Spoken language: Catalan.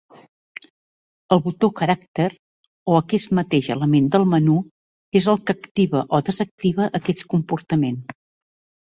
El botó "character" o aquest mateix element del menú és el que activa o desactiva aquest comportament.